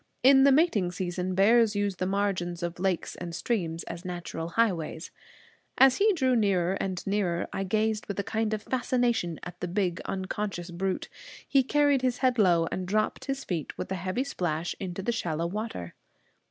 In the mating season bears use the margins of lakes and streams as natural highways. As he drew nearer and nearer I gazed with a kind of fascination at the big unconscious brute. He carried his head low, and dropped his feet with a heavy splash into the shallow water.